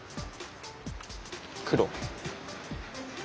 黒。